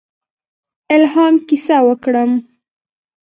الهام کیسه وکړم.